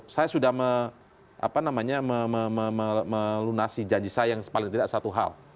saya sudah melunasi janji saya yang paling tidak satu hal